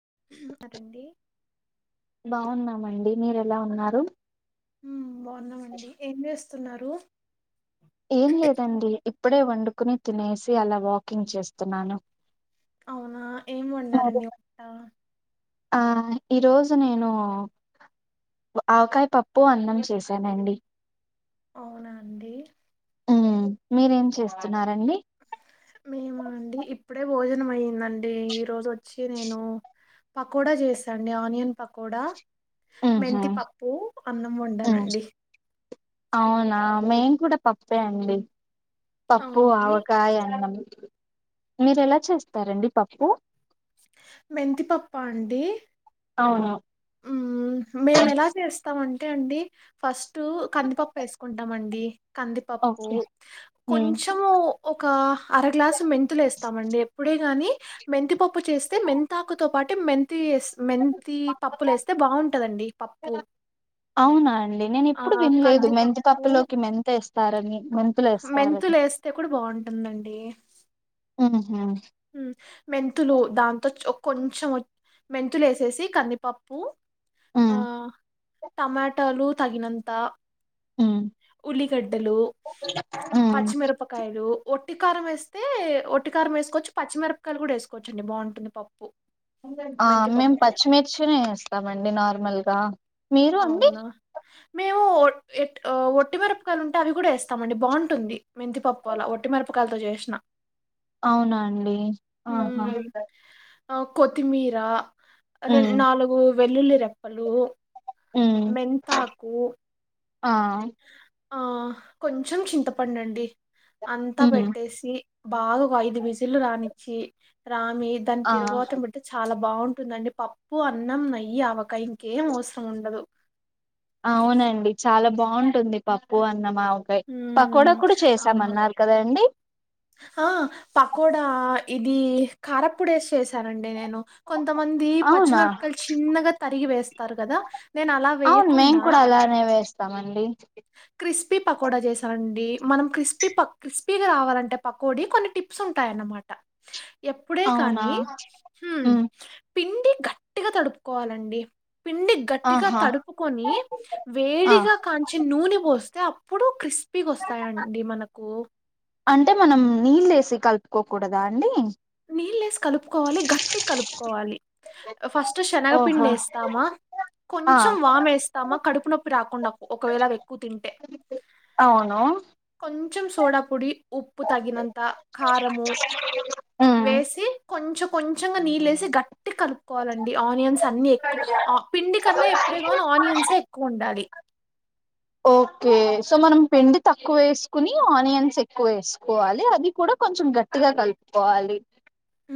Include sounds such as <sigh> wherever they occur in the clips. <inaudible> బాగున్నామండి మీరెలా ఉన్నారు? మ్ బా గున్నం అండి ఏం చేస్ సున్నారు ఏం లేదండి అప్పుడే వండుకుని తినేసి అలా వాకింగ్ చేస్తున్నాను అవునా ఏం అదే వండారండి ఒకట ఆ ఈరోజు నేను ఆవకాయ పప్పు అన్నం చేశానండి అవునా అండి ఉ మీరేం చేస్తున్నారండి మేము అండి ఇప్పుడే భోజనం అయ్యిందండి ఈరోజు వచ్చి నేను పకోడా చేసాండి ఆనియన్ పకోడా ఉహు మెంతి పప్పు అన్నం వండానండి అవునా మేం కూడా పప్పే అండి పప్పు అవునా ఆవకాయ అన్నం మీరు ఎలా చేస్తారండి పప్పు మెంతిపప్ప అండి అవును ఉ మేము ఎలా చేస్తామంటే అండి ఫస్ట్ టు కందిపప్పు వేసుకుంటాం అండి కందిపప్పు ఓకే హ్మ్. కొంచము ఒక అర గ్లాసు మెంతులు వేస్త ాం ఎప్పుడే గాని మెంతి పప్పు చేస్తే మెంతాకుతో పాటు మ థిస్ మెంతి పప్పులే వేస్తే బాగుంటందండి పప్పు అవునా ండి నేను ఎప్పుడు ఆహ్, వినలేదు కందిపప్పు, మెంతపప్పులోకి మెంత ఇస్తారని మ మెంతులు వేస్తే కూడా బాగుంటుందండి ఆహా మెంతులు దాంతో కొంచెం మెంతులు వేసేసి కందిపప్పు ఆ హ్మ్ టమాటాలు తగినంత హ్మ్ ఉల్లిగడ్డలు హ్మ్ పచ్చిమిరపకాయలు ఒట్టి కారం వేస్తే ఒట్టి కారం వేసుకొచ్చు పచ్చిమిరపయ కూడా వేసుకోవచ్చండి బాగుంటుంది పప్పు ఆ మెంతి మేము పప్పు. పచ్చిమిర్చిని ఇస్తామండి నార్మల్ దా అవునా మేము ఎ ఒట్టిమిరపకాయలు ఉంటే అవి కూడా వేస్తామ అండి బాగుంటుంది మెంతిపప్పు అలా ఒట్టి మిరపకాయలతో చేసిన అవునా అండి ఆహా కొత్తిమీరా రె హ్మ్ నాలుగు వెల్లుల్లి రెప్పలు హ్మ్ మెంతాకు ఆ ఆ కొంచెం చింతపండు అండి అంతా హ్మ్ పెట్టేసి బాగా ఒక ఐదు విజిలు రానిచ్చి రా మీ దా ఆ తిరగవత బట్టి చాలా బాగుంటుందండి పప్పు అన్నం నెయ్ ఆవకాయ ఇంకేం అవసరం ఉండదు అవునండి చాలా బాగుంటుంది పప్పు అన్నం ఆవ ఉమ్ అవును కదండి ఆ పకోడా ఇది కారపొడి వేసి చేసానండి నేను కొంతమంది అవునా పచ్చిమిరకాయలు చిన్నగా తరిగి వేస్త స్తారు కదా నేను అలా అవును మేయింగ్ కూడా అలానే వేస్తా ఇస్తామండి కృప్సీ పకోడా చేసాండి మనం క్రిస్పీ క్రిస్పీగా రావాలంటే పకోడి కొన్ని టిప్స్ ఉంటాయన్నమాట ఎప్పుడే అవునా కానీ హు హ్మ్ పిండి గట్టిగా తడుపుకోవాలండి పిండి గట్టిగా ఆహా తడుపుకొని ఆ వేడిగా కా ని పోస్తే అప్పుడు కిస్ కృప్సీ వస్తాయండి మనకు అంటే మనం నీళ్ళ వేసి కలుపుకోకూడదా అండి నీళ్నెస్ కలుపుకోవాలి గట్టి కలుపుకోవాలి ఫస్ట్ ఓహో శనగపిండి ఏస్తామా ఆ కొంచెం వామేస్తామా కడుపు కడుపు నొప్పి రాకుండా ఒకవేళ ఎక్కువ తింటే అవును కొంచం సోడా పొడి ఉప్పు తగినంత కారము ఉమ్ వేసి కొంచెం కొంచెంగా నీళ్ళ వేసి గట్ ట్టి కలుపుకోవాలండి ఆనియన్స్ అన్ని ఎక్కువ పిండి కన్నా ఎప్పుడే కానీ ఆనియన్స్ ఎక్కువ ఉండాలి ఓకే సో మనం పిండి తక్కువ వేసుకుని ఆనియన్స్ ఎక్కువ వేసుకోవాలి అది కూడా కొంచెం గట్టిగా కలుపుకోవాలి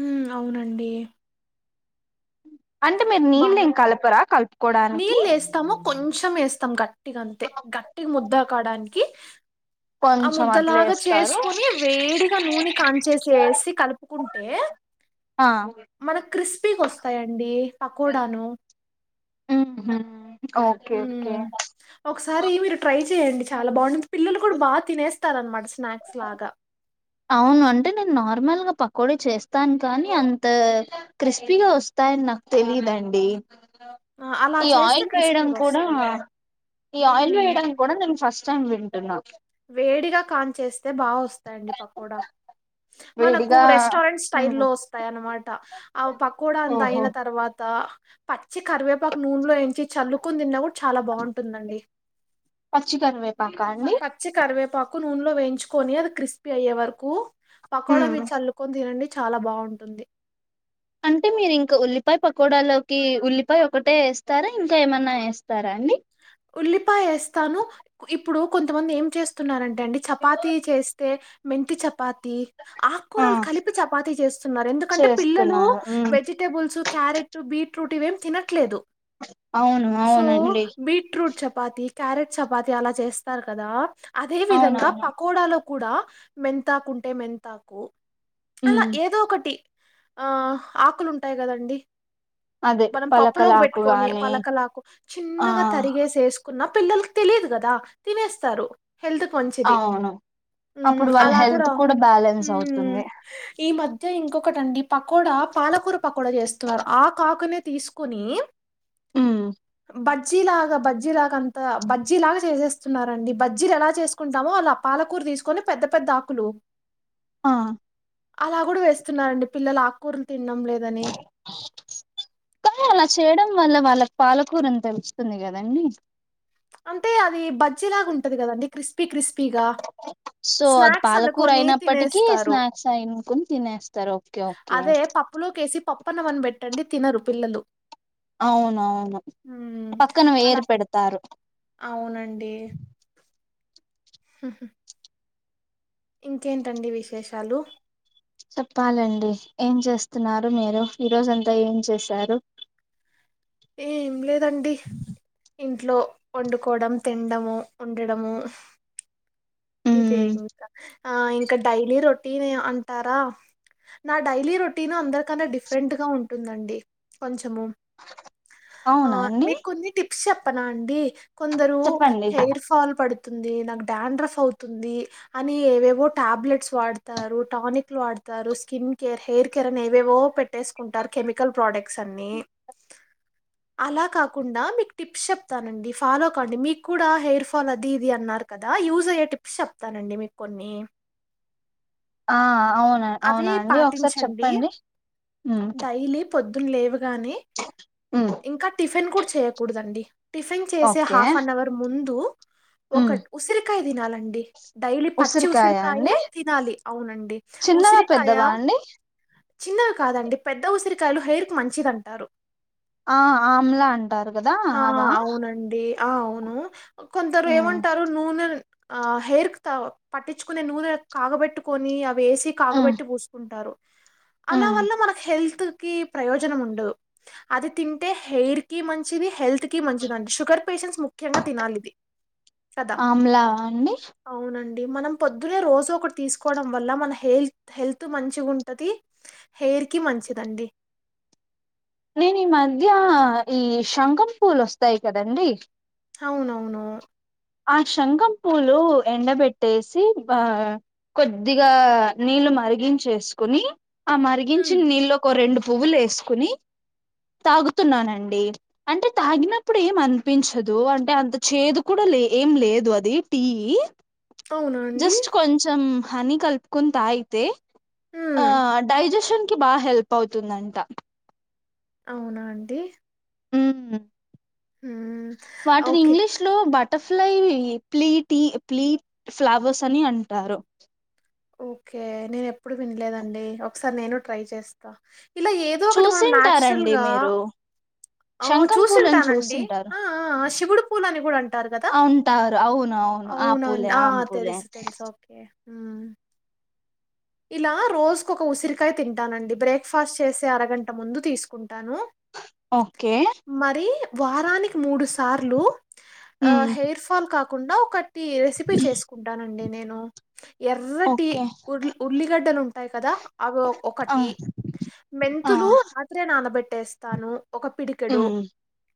ఉ అవునండి అ అంటే మీరు బా నీళ్ళ ఏం కలపరా కలుపుకోడానికి నీళ్ళేస్తాము, కొంచెం వేస్తాం కట్ట గట్టిగా అంతే గట్టిగా ముద్ద కావడానికి కి ఆ కొంచెం అట్లా ముద్దలాగా వేస్తారు చేసుకుొని వేడిగా నూనె కాంచేసి వేసి కలుపుకుంటు టె ఆ మన క్రిస్పి వస్తు వస్తాయండి పకోడాను ఉహు ఓకే ఓకే ఒకసారి మీరు ట్రై చెయండి చాలా బాగుంటుంది పిల్లలు కూడా బాగా తినేస్త స్తారనమాట స్నాక్స్ లాగా అవును అంటే నేను నార్మల్గా పకోడ చేస్తాను కానీ అంత క్రిస్పీగా వస్తాయని నాకు తెలియదండి ఆ! అలా ఈ చేస్తే ఆయిల్ వేయడం కూడా క్రిస్పీగొస్తాయి. ఈ ఆయిల్ హ్మ్. వేయడానికి కూడా నేను ఫస్ట్ టైం వి టున్న వేడిగా కాన్ చేేస్తే బాగా వస్తాయండి పకోడా మనకు వేడిగా రెస్టారెంట్ స్టైల్ ఉమ్, లో వస్తాయి అన్నమాట త ఆ పకోడా అంత ఓహో అయిన తర్వాత పచ్చి కరివేపాకు నూనెలో వంచి చల్లుకుొని తిన్నా కూడా చాలా బాగుంటుందండి పచ్చిికరీవే పా పచ్చి కరివేపాకు క్కు నూనెలో వేయించుకొని అది క్రిస్పీ అయ్యే వరకు పకోడా ఉమ్, మీద చల్లుకొని తినండి చాలా బావుంటుంది అంటే మీరు ఇంకా ఉల్లిపాయ పకోడాలోకి ఉల్లిపాయ ఒకటే ఏస్తారా ఇంకా ఏమన్నా ఏస్తారా అండి ఉల్లిపాయ వేస్తాను ఇప్పుడు కొంతమంది ఏం చేస్తున్నారంటే ండి చపాతి చేస్తే మెంతీ చపాతి ఆ ఆకూరలు కలిపి చపాతీ చేస్తున్నారు ఎందుకంటే పిల్లలు చేస్తున్నారు ఉమ్ వెజిటేబుల్స్ క్యారెట్ బీట్రూట్ వేం తినట్లేదు అవును సో, అవును అండి బీట్రూట్ చపాతి ఈ క్యారెట్ చపాతి అలా చేస్తారు కదా అదే విధంగా అవునవును పకోడాలో కూడా మెంతాకు ఉంటే మెంతాకు అలా ఉమ్ ఏదో ఒకటి ఆ ఆకులుంటాయి కదండి అదే మనం పప్పులోకి పలకలాకు పెట్టుకొని గాని పలకలాకు ఆ చిన్నగా తరిగేసి వేసుకున్నాం పిల్లలకి తెలియదు కదా తినేస్తారు హెల్త్ మంచిది అవును ఊ అప్పుడు వాళ్ళ అలా కూడా హెల్త్ ఊ బ్యాలెన్స్ అవుతుంది ఈ మధ్య ఇంకొకటండి పకోడా పాలకూర పకోడా చేస్తున్నారు ఆ కాకనే తీసుకుని ఉమ్ బద్ బజ్జీలాగా బజ్జీలాగా అంత బజ్జీ లాగా చేసేస్తున్నారండి బజ్జీలు ఎలా చేసుకుంటామో వాళ్లా పాలకూర తీసుకొని పెద్ద పెద్ద ఆకులు ఆ అలా కూడా వేస్తున్నారండి పిల్లలు ఆకూరలు తినడం లేదని కానీ అలా చేయడం వల్ల వాళ్ళకి పాలకూర అని వస్తుంది కదండి అంటే అది బజ్జి లాగా ఉంటది కదండి క్రిస్పీ క్రిస్పీ క్రిస్పీగా సో అది స్నాక్స్ పాలకూర అనుకోని అయినప్పటికీ తినేస్తారు స్నాక్స్ అయినుకుని తినేస్తారు ఓకే ఓకే అదే పప్పులోకి పప్పు అన్నం పెట్టండి తినరు పిల్లలు అవునవును మ్మ్ పక్కన అలా వేరు పె పెడతారు అవునండి ఉ హు ఇంకేంటండి విశేషాలు చెప్పాలండి ఏం చేస్తున్నారు మీరు ఈరోజంతా ఏం చేశారు ఏం లే కదండీ ఇంట్లో వండుకోవడం తినడం ఉండడం ఇదే ఉమ్ ఇంకా ఇంకా డైలీ రొటీన్ అంటారా నా డైలీ రొటీన్ అందరికంటే డిఫరెంట్ గా ఉంటుందండి కొంచెము ఆ అవునా అండి మీకు కొన్ని టిప్స్ చెప్పనా అండి కొందరు చెప్పండి హెయిర్ ఫాల్ పడుతుంది అది నాకు డాండ్రఫ్ అవుతుంది అని ఏవేవో టాబ్లెట్స్ వాడతారు టానికులు వాడతారు స్కిన్ కేర్ హెయిర్ కేర్ అని ఏవేవో పెడతారు పెట్టేసుకుంటారు కెమికల్ ప్రొడక్ట్స్ అన్ని అలా కాకుండా మీకు టిప్స్ చెప్తానండి ఫాలో అలా కాకుండా టిప్స్ చెప్తానండి మీరు ఫాలో కండి మీకు కూడా హెయిర్ ఫాల్ అది ఇది అన్నారు కదా యూజ్ అయ్యే టిప్స్ చెప్తానండి మీకు కొన్ని ఆ ఆ అవునా అవి అవునా అండి ఒకసారి పాటించండి. చెప్పండి న లేవ గానే ఉమ్ ఇంకా టిఫిన్ కూడా చేయకూడదండి టిఫిన్ చేసే ఓకే హాఫ్ అన్ అవర్ ముందు ఉమ్ ఒకటి ఉసిరికాయ తినాలండి డైలీ పచ్చి ఉసిరికాయ అండి ఉసిరికాయే తినాలి అవునండి చిన్నవా ఉసిరికాయ పెద్దవా అండి చిన్నవి కాదండి పెద్ద ఉసిరికాయలు హెయిర్ కు మంచిదింటారు ఆ ఆమ్లా అంటారు కదా ఆ అవా అవునండి ఆ అవును కొందరు ఉమ్ ఏమంటారు నూనెన్ ఆ హెయిర్ పట్టించుకునే నూనె కాగబెట్టుకొని అవి వేసి ఉమ్ కాగబెట్టి పూసుకుంటారు అలా ఉమ్ వల్ల మనకు హెల్త్ కి ప్రయోజనం ఉండదు అది తింటే హెయిర్ కి మంచిది హెల్త్ కి మంచిది అంట షుగర్ పేషెంట్స్ ముఖ్యంగా తినాలి ఇది కదా ఆమ్లా అండి అవునండి మనం పొద్దున్నే రోజు ఒకటి తీసుకోవడం వల్ల మన హెల్త్ హెల్త్ మంచిగా ఉంటది హెయిర్ కి మంచిదండి నేను ఈ మధ్య ఈ శంఖం పూలు వస్తాయి కాదండీ అవునవును ఆ శంఖం పూలు ఎండబెట్టేసి వా కొద్దిగా నీళ్లు మరిగించేసుకుని ఆ హ్మ్ మరిగించిన నీళ్లో ఒక రెండు పువ్వులు వేసుకుని తాగుతున్నానండి అంటే తాగినప్పుడు ఏం అనిపించదు అంటే అంత చేదు కూడా లే ఏం లేదు అది టీ అవునా అండి జస్ట్ కొంచం హని కలుపుకొని తాగితే ఆ హ్మ్ డైజెషన్ బాగా హెల్ప్ అవుతుందంట అవునా అండి మ్మ్ హ్మ్ వాటిని ఓకే ఇంగ్లీష్ లో బట్ట butterfly plea tea plea flowers అని అంటారు ఓకే నేను ఎప్పుడు వినలేదండి ఒకసారి నేను ట్రై చేస్తా ఇలా ఏదో ఒకటి మనం చూసింటారండి నాచురల్గా మీరు ఆ శంఖం పూలని చూసింటానండి అ ఆ శివుడు పూలన్ని గూడన్ అంటారు అవును అవును ఆ అవునండి. పూలే ఆ పూలే మ్మ్ ఇలా రోజుకు ఒక ఉసిరికాయ తింటానండి బ్రేక్ ఫాస్ట్ చేసే అరగంట ముందు తీసుకుం టాను ఓకే మరి వారానికి మూడు సార్లు ఆ మ్మ్ హెయిర్ ఫాల్ కా కాకుండా ఒక ఈ రెసిపీ చేసుకుంటానండి నేను ఆ ఎర్రటి ఓకే ఉల్లిగడ్డలుంటాయి కదా అవి ఆ ఒకటి ఆ మెంతులు రాత్రే నానబెట్టి పెట్టేస్తాను ఒక పిడికెడు మ్మ్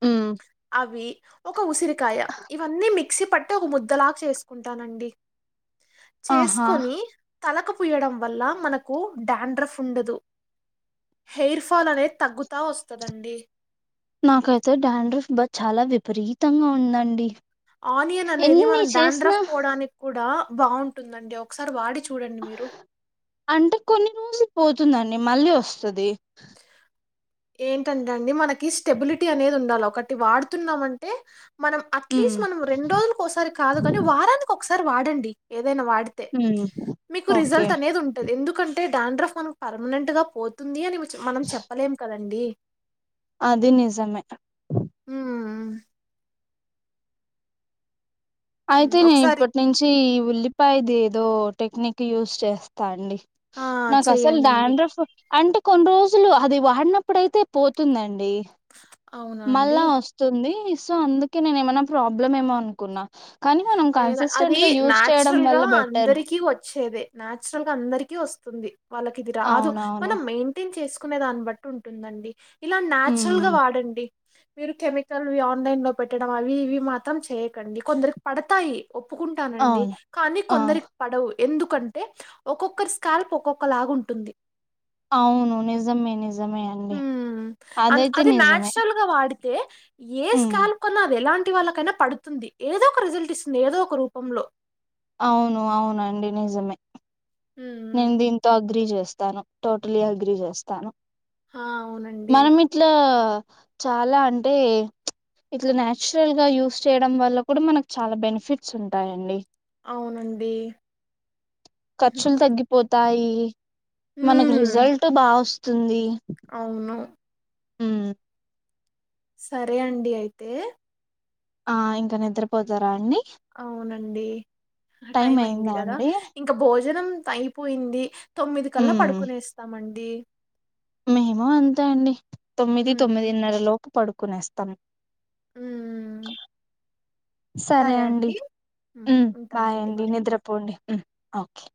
మ్మ్ అవి ఒక ఉసిరికి కాయ ఇవన్నీ సి పట్టి ఒక ముద్దలాగా చేసుకుంటానండి ఆహా చేసుకొని తలకు పూయడం వల్ల మనకు డాండ్రఫ్ ఉండదు హెయిర్ ఫాల్ అనేది తగ్గుతా వస్తుందండి నాకైతే డాండ్రిఫ్ బ చాలా విపరీతంగా ఉందండి ఆనియన్ అనేది ఎన్ని మనం చేసినా డాండ్రఫ్ పోవడానికి కూడా బాగుంటుందండి ఒకసారి వాడి చూడండి మీరు అంటే కొన్ని రోజులు పోతుందండి మళ్ళీ వస్తుంది ఏంటంటే అండి మనకి స్టెబిలిటీ అనేది ఉండాలి ఒకటి వాడుతున్నామంటే మనం హ్మ్ అట్లీస్ట్ మనం రెండు రోజులకి ఒకసారి కాదు కాని వారానికి ఒకసారి వాడండి వాడితే హ్మ్ మీకు ఓకే రిజల్ట్ అనేది ఉంటుంది ఎందుకంటే డాండ్రఫ్ మనకు పర్మనెంట్ గా పోతుంది అని మనం చెప్పలేం కదండి అది నిజమే ఆ అయితేనేే ఒకసారి ఇప్పటి నుంచి ఉల్లిపాయది ఏదో టెక్నిక్ యూజ్ చేస్తాండి ఆ నాకు అసలు చెయ్యనండి డాండ్రఫ్ అంటే కొన్ని రోజులు అది వాడినప్పుడు అయితే పోతుందండి అవునండి మళ్ళా వస్తుంది సో అందుకే నేనేమైనా ప్రాబ్లమేమొ అనుకున్నా కానీ మనం లేదా కన్సిస్టెంట్ అది గా యూస్ చేయడం నాచురల్ గా వల్ల బెటర్ అందరికి వచ్చేదే నాచురల్ గా అందరికీ వస్తుంది వాళ్ళకి ఇది రాదు అవునవును. మనం మెయింటైన్ చేసు కునే దాన్ని బట్టి ఉంటుందండి ఇలా నాన్చురల్ గా హ్మ్ వాడండి మీరు కెమికల్వి ఆన్లైన్ లో పెట్టడం అవి ఇవి మాత్రం చేయ్యకండి కొందరికి పడతాయి ఒప్పుకుంటానండి అవును. కానీ ఆ కొందరికి పడవు ఎందుకంటే ఒక్కొక్కరి స్కాల్ప్ ఒక్కొక్క లాగా ఉంటుంది అవును నిజమే నిజమే అండి హ్మ్. అదైతే నిజమే అయితే ఏ హ్మ్. స్కాల్ కొన్నా అది ఎలాంటి వాళ్ళకైనా పడుతుంది ఏదో రిజల్ట్ ఇస్తుంది ఏదో ఒక రూపంలో అవును అవునండి నిజమే హ్మ్. నీన్ దింతో అగ్రిచేస్తా వస్తాను టోటలీ అగ్రిచేస్తాను ఆ! అవునండి. మనం ఇట్లా చాలా అంటే ఇట్లా నాచురల్ గా యూస్ చేయడం వల్ల కూడా మనకు చాలా బెనిఫిట్స్ ఉంటాయండి. అవునండి పోతాయి మనకి హ్మ్. రిజల్ట్ బా వస్తు స్తుంది అవును. హు సరే అండి అయితే ఆ ఇంకా నిద్రపోతారా అండి అవునండి టైం అయింది అయిందా కదా అండి? ఇంకా భోజనం అయిపోయింది తొమ్మిది కల్లా హ్మ్. పడుకునేస్తామండి మేము అంతే అండి తొమ్మిది హ్మ్. తొమ్మిదిన్నర లోపు పడుకు కొనేస్తాం క హ్మ్. సరే అండి హ్మ్. ఉ బాయ్ ఉంటామండి. అండి నిద్రపోండి ఉ ఓకే